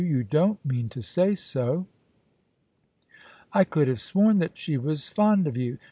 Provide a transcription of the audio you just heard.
You don't mean to say so ! I could have sworn that she was fond of you.